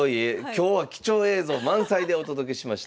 今日は貴重映像満載でお届けしました。